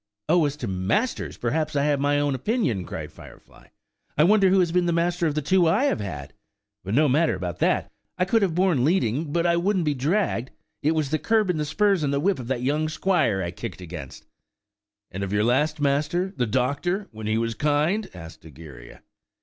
"Oh, as to masters, perhaps I have my own opinion," cried Firefly; "I wonder who has been master of the two I have had! But no matter about that. I could have borne leading, but I wouldn't be dragged. It was the curb and spurs and whip of that young squire I kicked against." "And of your last master, the doctor, when he was kind?" asked Egeria.